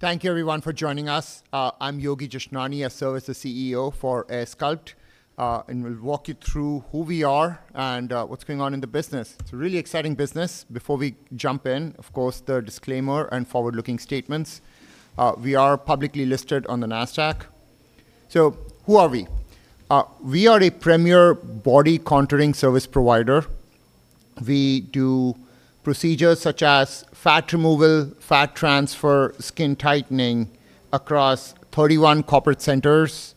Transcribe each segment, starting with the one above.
Thank you everyone for joining us. I'm Yogi Jashnani. I serve as the CEO for AirSculpt and will walk you through who we are and what's going on in the business. It's a really exciting business. Before we jump in, of course, the disclaimer and forward-looking statements. We are publicly listed on the Nasdaq. Who are we? We are a premier body contouring service provider. We do procedures such as fat removal, fat transfer, skin tightening across 31 corporate centers.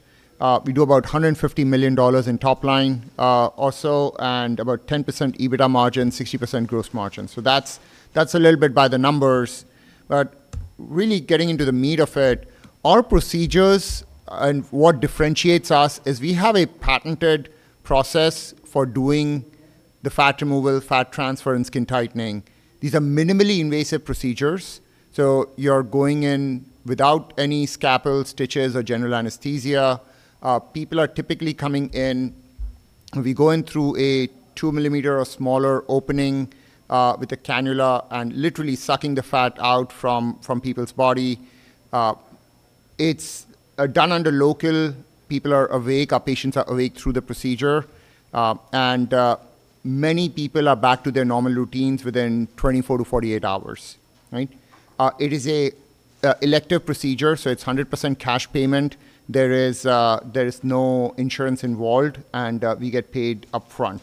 We do about $150 million in top line also, and about 10% EBITDA margin, 60% gross margin. That's a little bit by the numbers. Getting into the meat of it, our procedures and what differentiates us is we have a patented process for doing the fat removal, fat transfer and skin tightening. These are minimally invasive procedures, so you're going in without any scalpels, stitches or general anesthesia. We go in through a 2 mm or smaller opening with a cannula and literally sucking the fat out from people's body. It's done under local. People are awake. Our patients are awake through the procedure, and many people are back to their normal routines within 24-48 hours, right? It is an elective procedure, so it's 100% cash payment. There is no insurance involved, and we get paid upfront.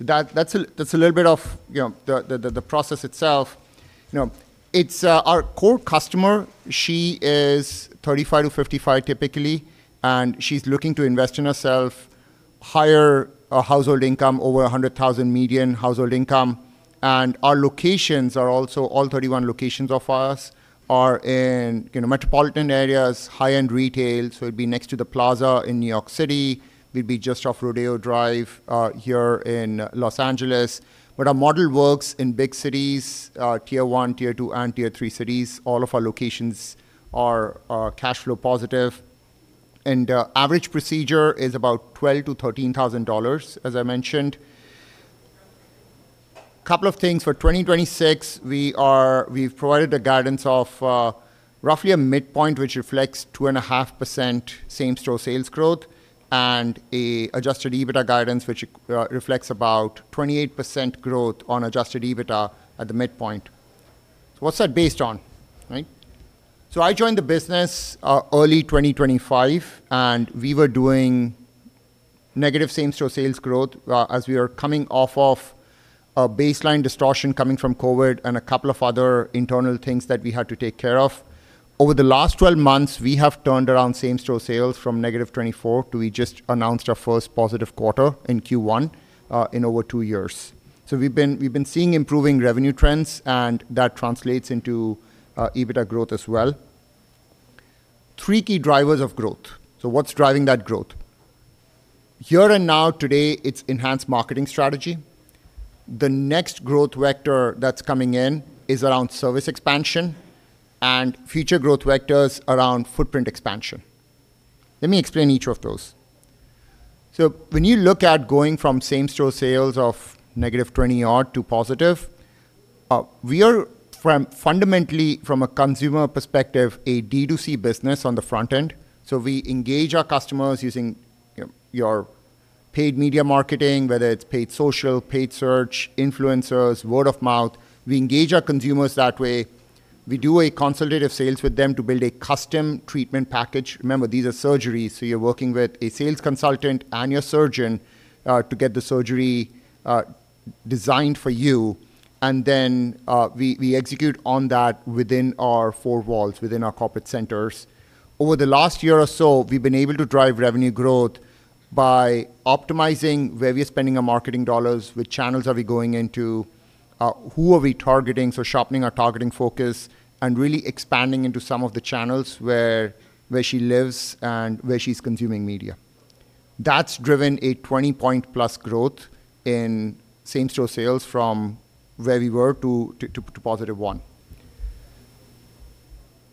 That's a little bit of, you know, the process itself. You know, our core customer, she is 35 to 55 typically, and she's looking to invest in herself. Higher household income, over a $100,000 median household income. Our locations are all 31 locations of us are in, you know, metropolitan areas, high-end retail. It'd be next to The Plaza in New York City. We'd be just off Rodeo Drive here in Los Angeles. Our model works in big cities, Tier 1, Tier 2 and Tier 3 cities. All of our locations are cash flow positive. Our average procedure is about $12,000-$13,000, as I mentioned. Couple of things for 2026, we've provided a guidance of roughly a midpoint which reflects 2.5% same-store sales growth and a adjusted EBITDA guidance, which re-reflects about 28% growth on adjusted EBITDA at the midpoint. What's that based on, right? I joined the business early 2025, and we were doing negative same-store sales growth as we are coming off of a baseline distortion coming from COVID and a couple of other internal things that we had to take care of. Over the last 12 months, we have turned around same-store sales from -24 to we just announced our first positive quarter in Q1 in over two years. We've been seeing improving revenue trends and that translates into EBITDA growth as well. Three key drivers of growth. What's driving that growth? Here and now, today, it's enhanced marketing strategy. The next growth vector that's coming in is around service expansion and future growth vectors around footprint expansion. Let me explain each of those. When you look at going from same-store sales of negative 20-odd to positive, we are fundamentally from a consumer perspective, a D2C business on the front end. We engage our customers using, you know, your paid media marketing, whether it's paid social, paid search, influencers, word of mouth. We engage our consumers that way. We do a consultative sales with them to build a custom treatment package. Remember, these are surgeries, so you're working with a sales consultant and your surgeon to get the surgery designed for you. Then, we execute on that within our four walls, within our corporate centers. Over the last year or so, we've been able to drive revenue growth by optimizing where we are spending our marketing dollars. Which channels are we going into? Who are we targeting? Sharpening our targeting focus and really expanding into some of the channels where she lives and where she's consuming media. That's driven a 20-point-plus growth in same-store sales from where we were to +1.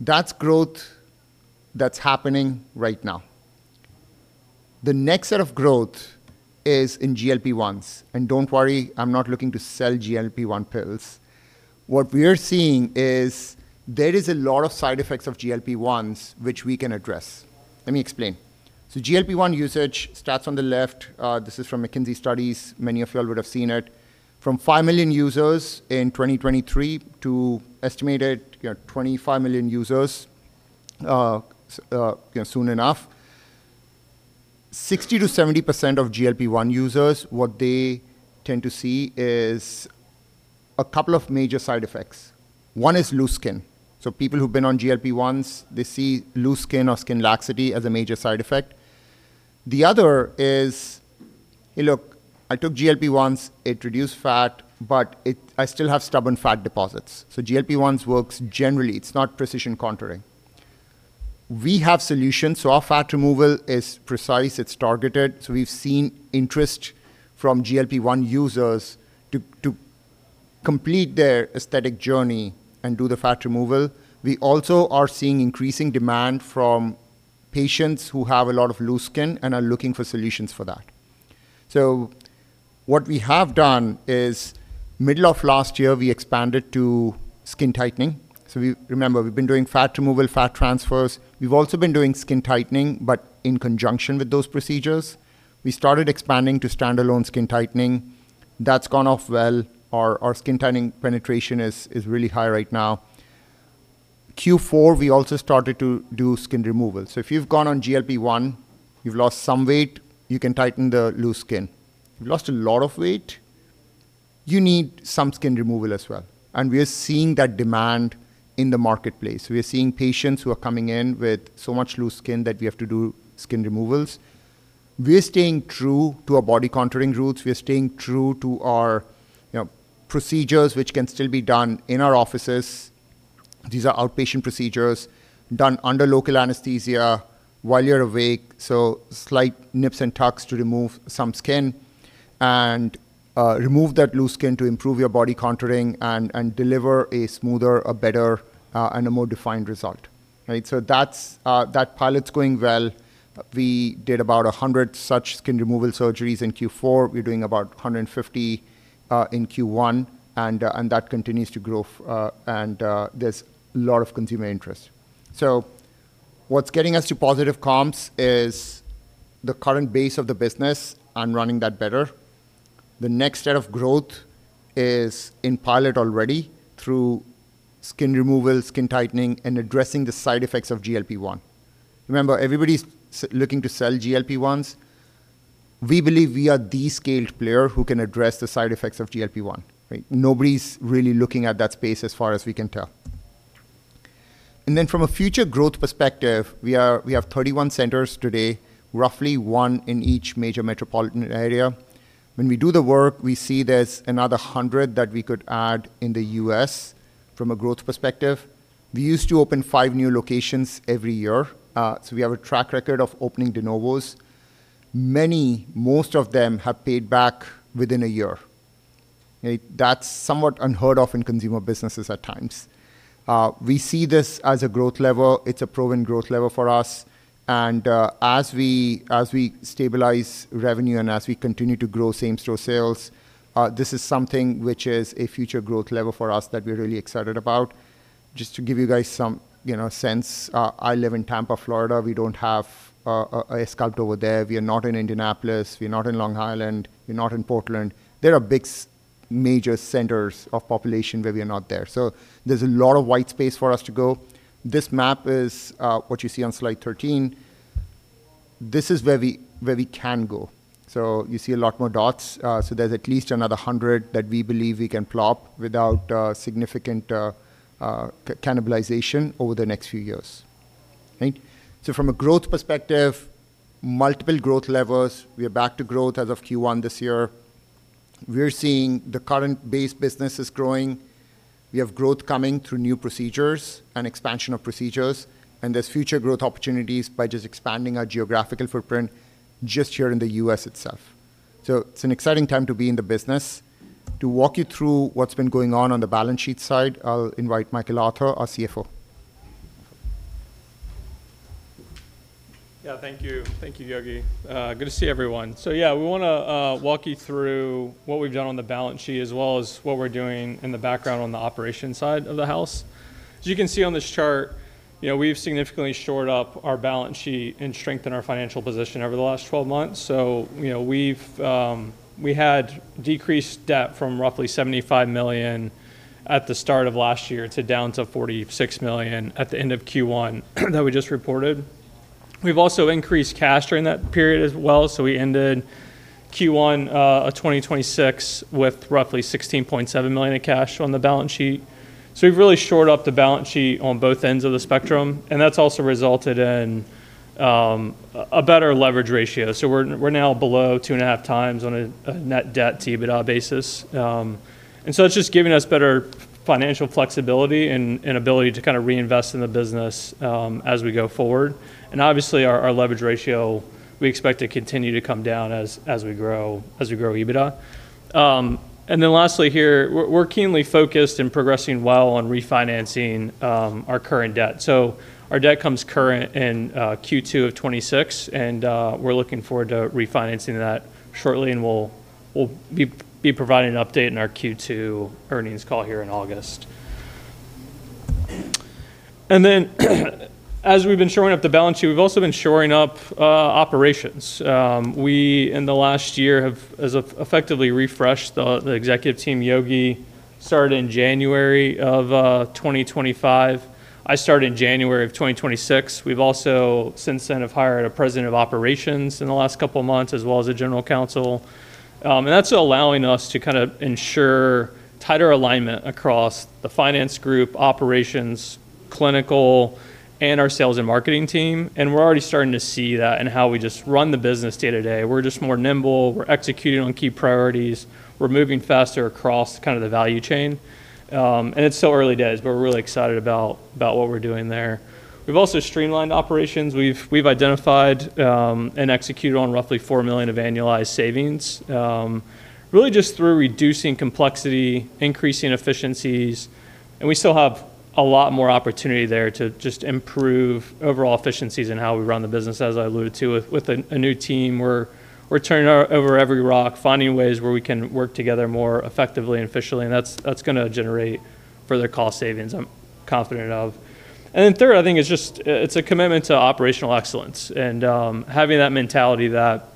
That's growth that's happening right now. The next set of growth is in GLP-1s. Don't worry, I'm not looking to sell GLP-1 pills. What we are seeing is there is a lot of side effects of GLP-1s which we can address. Let me explain. GLP-1 usage stats on the left. This is from McKinsey studies. Many of you all would have seen it. From 5 million users in 2023 to estimated, you know, 25 million users, soon enough. 60%-70% of GLP-1 users, what they tend to see is a couple of major side effects. One is loose skin. People who've been on GLP-1s, they see loose skin or skin laxity as a major side effect. The other is, "Hey look, I took GLP-1s. It reduced fat, but I still have stubborn fat deposits." GLP-1s works generally. It's not precision contouring. We have solutions. Our fat removal is precise. It's targeted. We've seen interest from GLP-1 users to complete their aesthetic journey and do the fat removal. We also are seeing increasing demand from patients who have a lot of loose skin and are looking for solutions for that. What we have done is middle of last year, we expanded to skin tightening. Remember, we've been doing fat removal, fat transfers. We've also been doing skin tightening, but in conjunction with those procedures, we started expanding to standalone skin tightening. That's gone off well. Our skin tightening penetration is really high right now. Q4, we also started to do skin removal. If you've gone on GLP-1, you've lost some weight, you can tighten the loose skin. You've lost a lot of weight, you need some skin removal as well. We are seeing that demand in the marketplace. We are seeing patients who are coming in with so much loose skin that we have to do skin removals. We are staying true to our body contouring roots. We are staying true to our, you know, procedures which can still be done in our offices. These are outpatient procedures done under local anesthesia while you're awake, so slight nips and tucks to remove some skin and remove that loose skin to improve your body contouring and deliver a smoother, a better, and a more defined result. That pilot's going well. We did about 100 such skin removal surgeries in Q4. We're doing about 150 in Q1, and that continues to grow, and there's a lot of consumer interest. What's getting us to positive comps is the current base of the business and running that better. The next set of growth is in pilot already through skin removal, skin tightening, and addressing the side effects of GLP-1. Remember, everybody's looking to sell GLP-1s. We believe we are the scaled player who can address the side effects of GLP-1, right? Nobody's really looking at that space as far as we can tell. From a future growth perspective, we have 31 centers today, roughly one in each major metropolitan area. When we do the work, we see there's another 100 that we could add in the U.S. from a growth perspective. We used to open five new locations every year, we have a track record of opening de novos. Many, most of them have paid back within a year. Okay? That's somewhat unheard of in consumer businesses at times. We see this as a growth level. It's a proven growth level for us, and as we stabilize revenue and as we continue to grow same-store sales, this is something which is a future growth level for us that we're really excited about. Just to give you guys some, you know, sense, I live in Tampa, Florida. We don't have an AirSculpt over there. We are not in Indianapolis. We're not in Long Island. We're not in Portland. There are big, major centers of population where we are not there. There's a lot of white space for us to go. This map is what you see on slide 13. This is where we can go. You see a lot more dots, there's at least another 100 that we believe we can plop without significant cannibalization over the next few years. Right? From a growth perspective, multiple growth levels. We are back to growth as of Q1 this year. We're seeing the current base business is growing. We have growth coming through new procedures and expansion of procedures, and there's future growth opportunities by just expanding our geographical footprint just here in the U.S. itself. It's an exciting time to be in the business. To walk you through what's been going on on the balance sheet side, I'll invite Michael Arthur, our CFO. Yeah. Thank you. Thank you, Yogi. Good to see everyone. Yeah. We wanna walk you through what we've done on the balance sheet as well as what we're doing in the background on the operations side of the house. As you can see on this chart, you know, we've significantly shored up our balance sheet and strengthened our financial position over the last 12 months. You know, we've decreased debt from roughly $75 million at the start of last year to down to $46 million at the end of Q1 that we just reported. We've also increased cash during that period as well. We ended Q1 of 2026 with roughly $16.7 million in cash on the balance sheet. We've really shored up the balance sheet on both ends of the spectrum, and that's also resulted in a better leverage ratio. We're now below 2.5x on a net debt to EBITDA basis. It's just given us better financial flexibility and an ability to kinda reinvest in the business as we go forward. Obviously, our leverage ratio, we expect to continue to come down as we grow EBITDA. Lastly here, we're keenly focused and progressing well on refinancing our current debt. Our debt comes current in Q2 of 2026, we're looking forward to refinancing that shortly, and we'll be providing an update in our Q2 earnings call here in August. As we've been shoring up the balance sheet, we've also been shoring up operations. We in the last year have effectively refreshed the executive team. Yogi started in January of 2025. I started in January of 2026. We've also since then have hired a president of operations in the last couple months, as well as a general counsel. That's allowing us to kind of ensure tighter alignment across the finance group, operations, clinical, and our sales and marketing team, and we're already starting to see that in how we just run the business day to day. We're just more nimble. We're executing on key priorities. We're moving faster across kind of the value chain. It's still early days, but we're really excited about what we're doing there. We've also streamlined operations. We've identified and executed on roughly $4 million of annualized savings, really just through reducing complexity, increasing efficiencies, and we still have a lot more opportunity there to just improve overall efficiencies in how we run the business. As I alluded to, with a new team, we're turning over every rock, finding ways where we can work together more effectively and efficiently, and that's gonna generate further cost savings I'm confident of. Then third, I think it's just a commitment to operational excellence and having that mentality that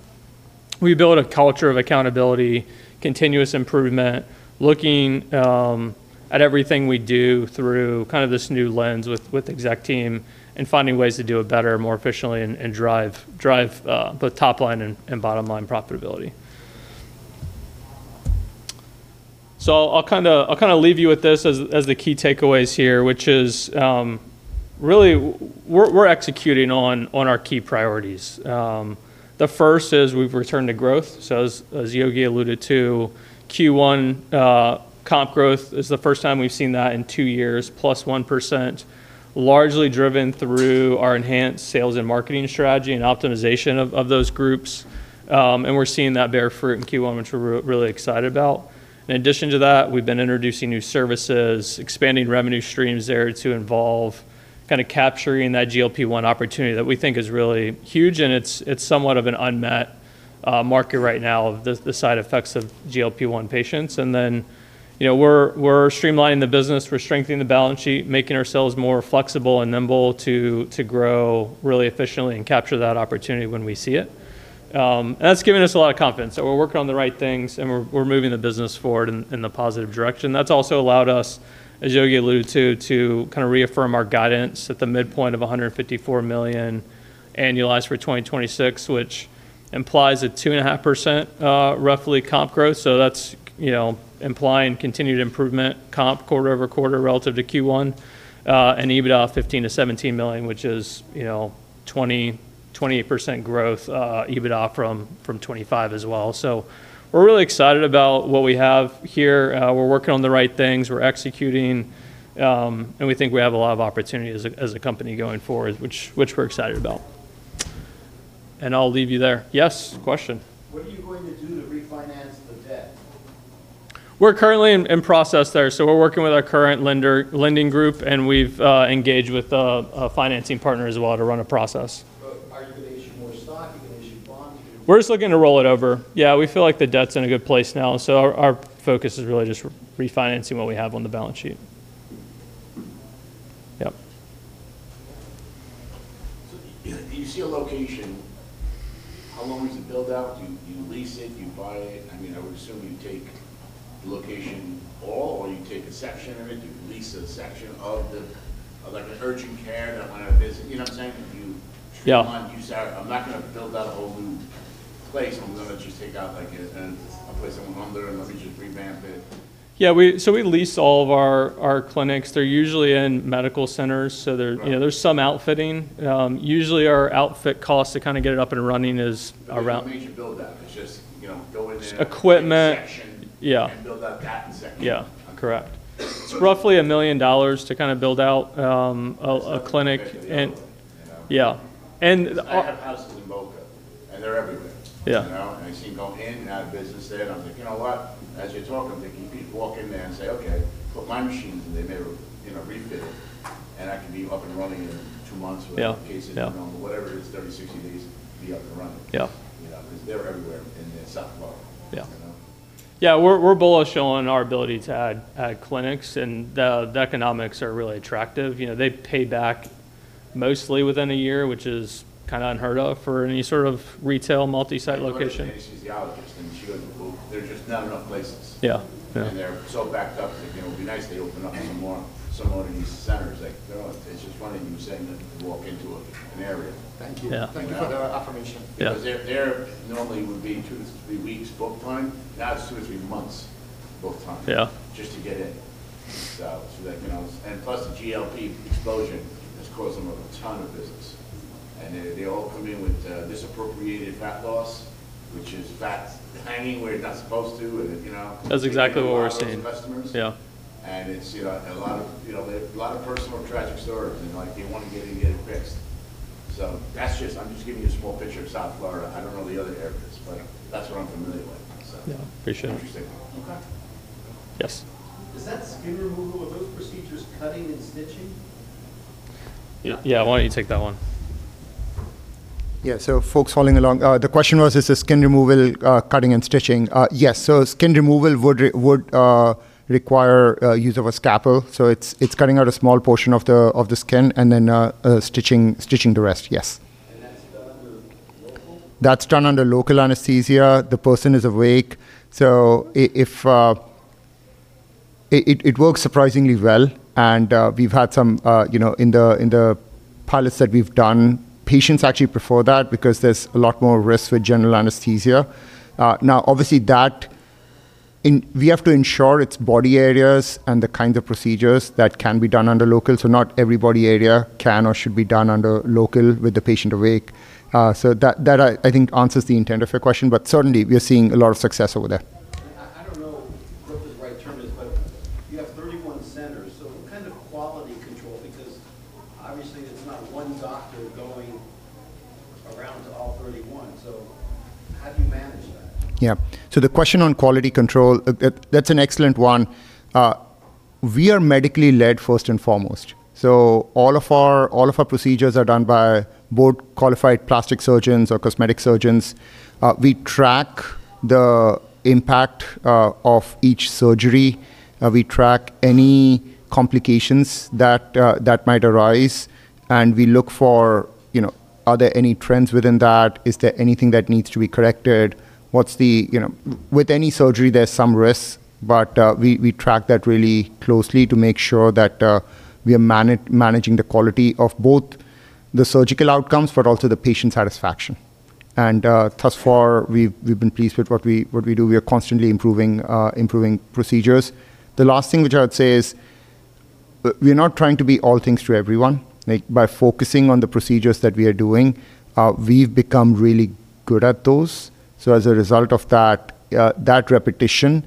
we build a culture of accountability, continuous improvement, looking at everything we do through kind of this new lens with exec team and finding ways to do it better and more efficiently and drive both top line and bottom line profitability. I'll kinda leave you with this as the key takeaways here, which is, really we're executing on our key priorities. The first is we've returned to growth, so as Yogi alluded to, Q1 comp growth is the first time we've seen that in two years, +1%, largely driven through our enhanced sales and marketing strategy and optimization of those groups. We're seeing that bear fruit in Q1, which we're really excited about. In addition to that, we've been introducing new services, expanding revenue streams there to involve kinda capturing that GLP-1 opportunity that we think is really huge, and it's somewhat of an unmet market right now of the side effects of GLP-1 patients. Then, you know, we're streamlining the business. We're strengthening the balance sheet, making ourselves more flexible and nimble to grow really efficiently and capture that opportunity when we see it. That's given us a lot of confidence that we're working on the right things and we're moving the business forward in a positive direction. That's also allowed us, as Yogi alluded to kinda reaffirm our guidance at the midpoint of $154 million annualized for 2026, which implies a 2.5% roughly comp growth. That's, you know, implying continued improvement comp quarter-over-quarter relative to Q1. EBITDA $15 million-$17 million, which is, you know, 20% growth EBITDA from 2025 as well. We're really excited about what we have here. We're working on the right things. We're executing. We think we have a lot of opportunity as a company going forward, which we're excited about. I'll leave you there. Yes, question? What are you going to do to refinance the debt? We're currently in process there. We're working with our current lender, lending group, and we've engaged with a financing partner as well to run a process. Are you going to issue more stock? Are you going to issue bonds here? We're just looking to roll it over. Yeah, we feel like the debt's in a good place now. Our focus is really just refinancing what we have on the balance sheet. Yep. You see a location. How long does it build out? Do you lease it? Do you buy it? I mean, I would assume you take the location all, or you take a section of it. Do you lease a section of the Like an urgent care that might have a phys. You know what I'm saying? Yeah. Try and use that? I'm not gonna build out a whole new place. I'm gonna just take out, I guess, a place in one there and let me just revamp it. Yeah. We lease all of our clinics. They're usually in medical centers. Right. You know, there's some outfitting. usually our outfit cost to kind of get it up and running is around- How much build out? It's just, you know, go in there. Equipment Section- Yeah. Build out that section. Yeah. Okay. Correct. It's roughly $1 million to kind of build out a clinic. Yeah. I have houses in Boca, and they're everywhere. Yeah. You know? I see them go in and out of business there, and I was like, you know what? As you talk, I'm thinking you could walk in there and say, "Okay. Put my machines in there, maybe, you know, refit it, and I can be up and running in two months with. Yeah. Yeah. Patients, you know, whatever it is, 30, 60 days to be up and running. Yeah. You know, 'cause they're everywhere in South Florida. Yeah. You know? Yeah. We're bullish on our ability to add clinics. The economics are really attractive. You know, they pay back mostly within 1 year, which is kinda unheard of for any sort of retail multi-site location. My daughter's seeing a physiologist, and she goes, "There's just not enough places. Yeah. Yeah. They're so backed up that, you know, it'd be nice if they opened up some more of these centers. Like, you know, it's just funny you saying that you could walk into an area. Thank you. Yeah. Thank you for the affirmation. Yeah. There, there normally would be two to three weeks' book time. Now it's two to three months' book time. Yeah. Just to get in. The GLP explosion has caused them a ton of business, and they all come in with disproportionate fat distribution, which is fats hanging where you're not supposed to. That's exactly what we're seeing. The impact of each surgery, we track any complications that might arise, and we look for, you know, are there any trends within that? Is there anything that needs to be corrected? You know, with any surgery there's some risks, but we track that really closely to make sure that we are managing the quality of both the surgical outcomes but also the patient satisfaction. Thus far, we've been pleased with what we do. We are constantly improving procedures. The last thing which I would say is, we're not trying to be all things to everyone. Like, by focusing on the procedures that we are doing, we've become really good at those. As a result of that repetition,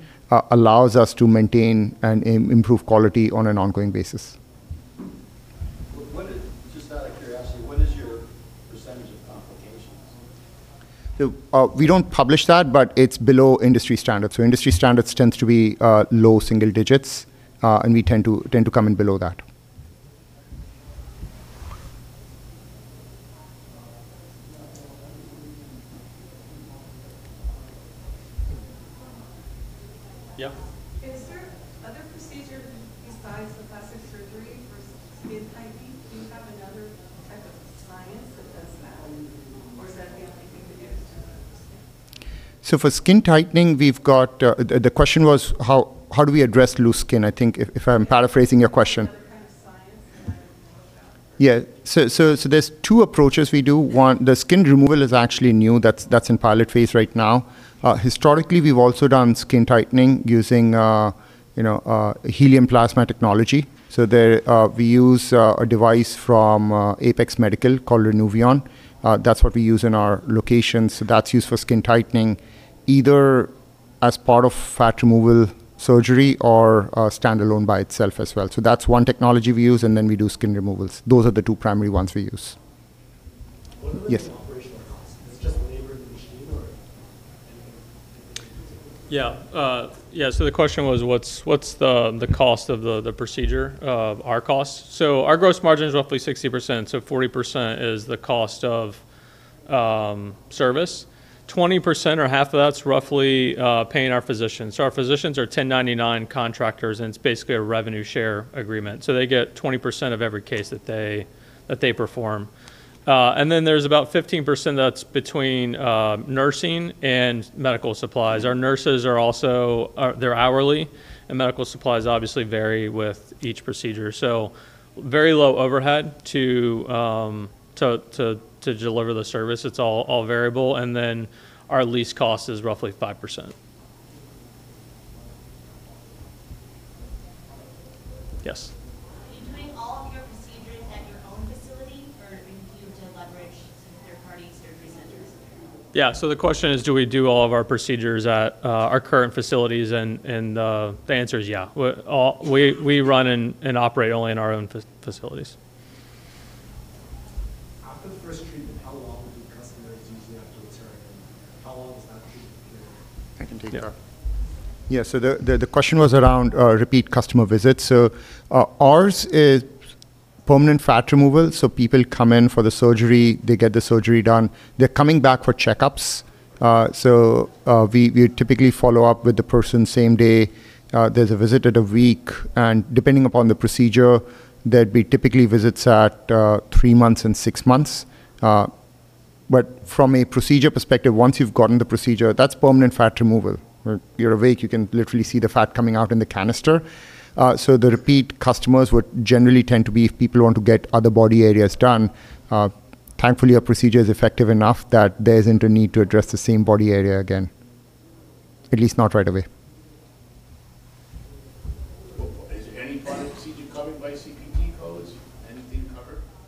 allows us to maintain and improve quality on an ongoing basis. What is Just out of curiosity, what is your % of complications? The, we don't publish that, but it's below industry standard. Industry standards tends to be low single digits, and we tend to come in below that. Yeah? Is there other procedure besides the plastic surgery for skin tightening? Do you have another type of science that does that, or is that the only thing you do? For skin tightening, the question was, how do we address loose skin, I think if I'm paraphrasing your question. You have other kind of science that might involve that? Yeah. There's two approaches we do. One, the skin excision is actually new. That's in pilot phase right now. Historically, we've also done skin tightening using, you know, helium plasma technology. There, we use a device from Apyx Medical called Renuvion. That's what we use in our locations. That's used for skin tightening, either as part of fat removal surgery or standalone by itself as well. That's one technology we use, and then we do skin excisions. Those are the two primary ones we use. Yes. What are the operational costs? It's just labor and machine or anything else? Yeah. The question was, what's the cost of the procedure, our costs? Our gross margin is roughly 60%, so 40% is the cost of service. 20% or half of that's roughly paying our physicians. Our physicians are 1099 contractors, and it's basically a revenue share agreement. They get 20% of every case that they perform. There's about 15% that's between nursing and medical supplies. Our nurses are also, they're hourly, and medical supplies obviously vary with each procedure. Very low overhead to deliver the service. It's all variable. Our least cost is roughly 5%. Yes. Are you doing all of your procedures at your own facility, or do you leverage some third-party surgery centers? Yeah, the question is, do we do all of our procedures at our current facilities? The answer is yeah. We run and operate only in our own facilities. After the first treatment, how long do the customers usually have to return and how long does that treatment take? I can take it. Yeah. The question was around repeat customer visits. Ours is permanent fat removal, people come in for the surgery. They get the surgery done. They're coming back for checkups, we typically follow up with the person same day. There's a visit at one week, and depending upon the procedure, there'd be typically visits at three months and six months. From a procedure perspective, once you've gotten the procedure, that's permanent fat removal, where you're awake, you can literally see the fat coming out in the canister. The repeat customers would generally tend to be if people want to get other body areas done. Thankfully, our procedure is effective enough that there isn't a need to address the same body area again, at least not right away.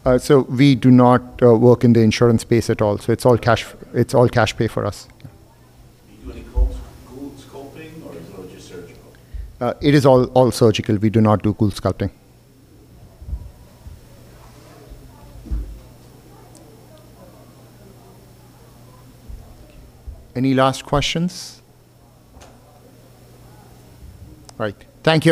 Is any part of procedure covered by CPT codes? Anything covered? We do not work in the insurance space at all, so it's all cash, it's all cash pay for us. Do you do any cold, CoolSculpting or is it all just surgical? It is all surgical. We do not do CoolSculpting. Any last questions? All right. Thank you.